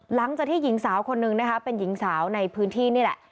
หลังจากที่หญิงสาวคนนึงนะคะเป็นหญิงสาวในพื้นที่นี่แหละ